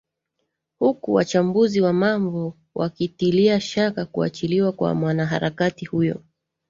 huku wachambuzi wa mambo wakitilia shaka kuachiwa kwa mwanaharakati huyo